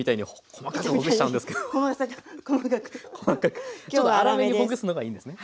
細かくちょっと粗めにほぐすのがいいんですね。